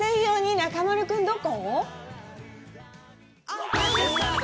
中丸君、どこ？